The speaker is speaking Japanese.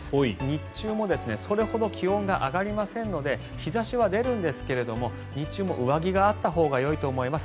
日中もそれほど気温が上がりませんので日差しは出るんですが日中も上着があったほうがよいと思います。